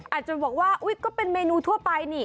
อาจจะบอกว่าก็เป็นเมนูทั่วไป